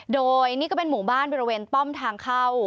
โดยนี่ก็เป็นหมู่บ้านบริเวณป้อมทางเข้า